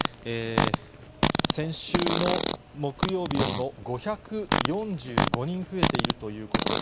先週の木曜日よりも５４５人増えているということです。